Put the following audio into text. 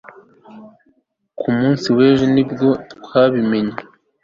ku munsi w'ejo ni bwo twabimenye